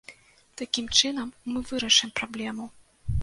Такім чынам мы вырашым праблему.